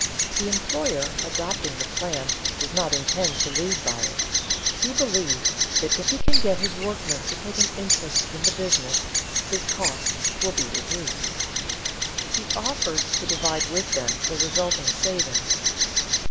_ The employer adopting the plan does not intend to lose by it; he believes that if he can get his workmen to take an interest in the business his costs will be reduced. He offers to divide with them the resulting savings.